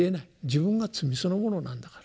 自分が罪そのものなんだから。